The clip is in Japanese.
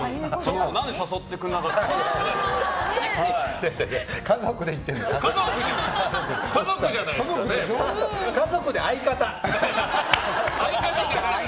何で誘ってくれなかったのかなって。